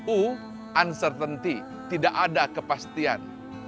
u uncertainty tidak ada kepastian